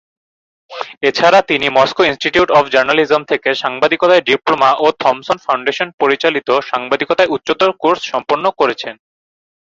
এছাড়া তিনি Moscow Institute of Journalism থেকে সাংবাদিকতায় ডিপ্লোমা ও থমসন ফাউন্ডেশন পরিচালিত সাংবাদিকতায় উচ্চতর কোর্স সম্পন্ন করেছেন।